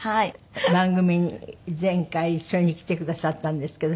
番組に前回一緒に来てくださったんですけど。